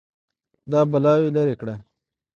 دا بلاوې لرې کړه